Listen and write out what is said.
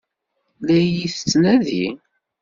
La iyi-tettnadi?